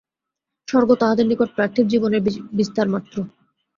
স্বর্গ তাহাদের নিকট পার্থিব জীবনের বিস্তারমাত্র।